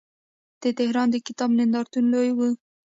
د تهران د کتاب نندارتون لوی دی.